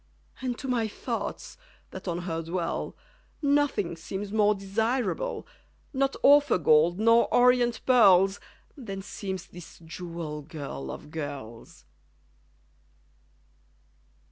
And to my thoughts, that on her dwell, Nothing seems more desirable Not OPHIR gold nor ORIENT pearls Than seems this jewel girl of girls.